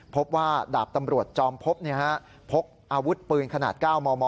พบว่าดาบตำรวจจอมพบพกอาวุธปืนขนาด๙มม